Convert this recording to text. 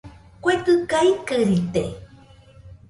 Kue dɨga ikɨrite